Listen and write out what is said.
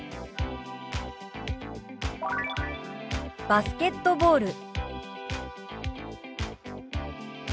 「バスケットボール」。